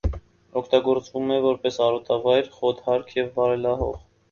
Օգտագորձվում է որպես արոտավայր, խոտհարք և վարելահող։